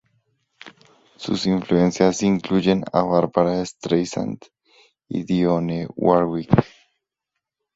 Sus influencias incluyen a Barbra Streisand y Dionne Warwick.